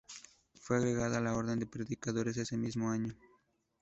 Fue agregada a la Orden de Predicadores ese mismo año.